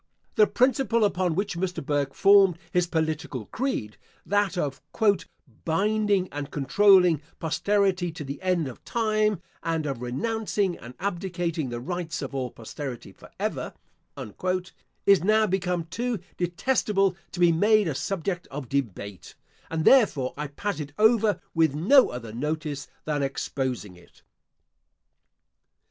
The principle upon which Mr. Burke formed his political creed, that of "binding and controlling posterity to the end of time, and of renouncing and abdicating the rights of all posterity, for ever," is now become too detestable to be made a subject of debate; and therefore, I pass it over with no other notice than exposing it.